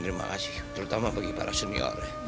terima kasih terutama bagi para senior